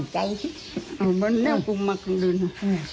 แต่ตากแค่มือนึงนะ